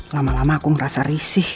lama lama aku merasa risih